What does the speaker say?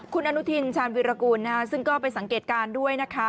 คุณอนุทินชาญวิรากูลซึ่งก็ไปสังเกตการณ์ด้วยนะคะ